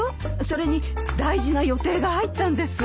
それに大事な予定が入ったんです。